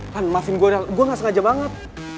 lan maafin gue gue gak sengaja banget